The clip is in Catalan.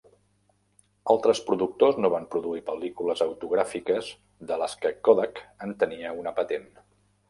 Altres productors no van produir pel·lícules autogràfiques de les que Kodak en tenia una patent.